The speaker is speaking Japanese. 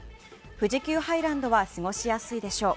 富士急ハイランドは過ごしやすいでしょう。